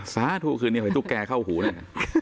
สะทุกคืนนี้ไหว้ตุ๊กแกเข้าหูเนี่ย